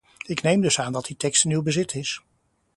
Ik neem dus aan dat die tekst in uw bezit is.